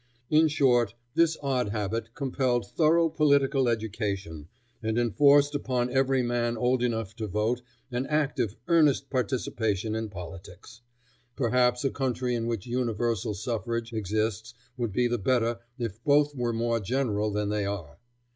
In short, this odd habit compelled thorough political education, and enforced upon every man old enough to vote an active, earnest participation in politics. Perhaps a country in which universal suffrage exists would be the better if both were more general than they are.